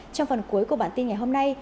trong phần cuối của bản tin ngày hôm nay